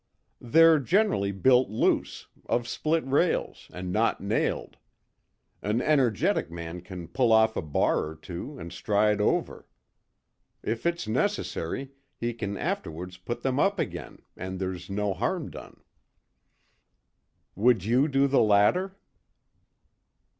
"They're generally built loose, of split rails, and not nailed. An energetic man can pull off a bar or two and stride over. If it's necessary, he can afterwards put them up again, and there's no harm done." "Would you do the latter?"